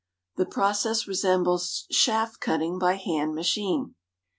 (The process resembles chaff cutting by hand machine.)